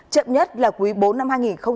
chậm nhất là quý bốn năm hai nghìn hai mươi